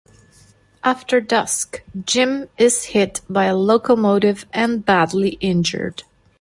After dusk, Jim is hit by a locomotive and badly injured.